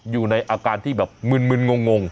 อยู่ในอาการที่แบบมึนงง